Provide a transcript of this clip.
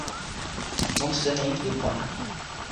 monsuta ni li pona.